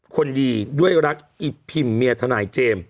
คนดีด้วยรักอีพิมเมียทนายเจมส์